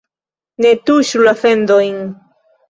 Ne tuŝu la fendojn